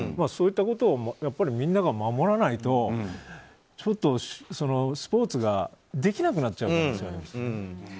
そういったことをみんなが守らないとちょっとスポーツができなくなっちゃうんですよ。